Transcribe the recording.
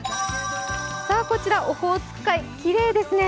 こちらオホーツク海きれいですね。